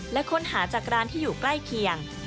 และค้นหาจากร้านที่อยู่ใกล้เคียง